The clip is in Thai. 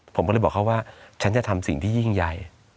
ผมก็เลยบอกเขาว่าฉันจะทำสิ่งที่ยิ่งใหญ่